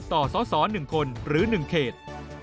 ต่อสอสอ๑คนหรือ๑เคต